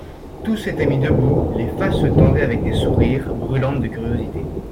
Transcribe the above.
Tous s'étaient mis debout, les faces se tendaient avec des sourires, brûlantes de curiosité.